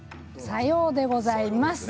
さようでございます。